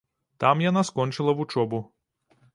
Там яна скончыла вучобу.